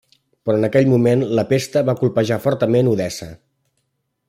Però en aquell moment la pesta va colpejar fortament Odessa.